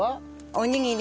おにぎり。